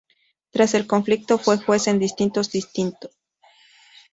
Tras el conflicto fue juez en distintos destinos.